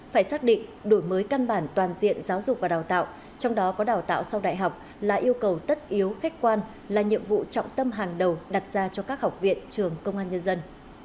phải xác định đổi mới căn bản toàn diện giáo dục và đào tạo trong đó có đào tạo sau đại học là yêu cầu tất yếu khách quan là nhiệm vụ trọng tâm hàng đầu đặt ra cho các học viện trường công an nhân dân